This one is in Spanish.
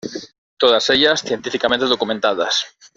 Todas ellas científicamente documentadas.